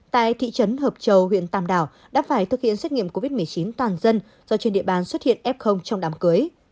tại thị trấn hợp châu huyện tàm đào đã phải thực hiện xét nghiệm covid một mươi chín toàn dân do trên địa bàn xuất hiện f trong đám cưới